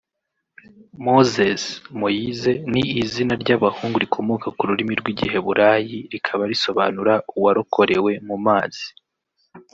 Moses/Moïse ni izina ry’abahungu rikomoka ku rurimi rw’Igiheburayi rikaba risobanura “Uwarokorewe mu mazi